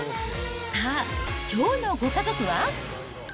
さあ、きょうのご家族は。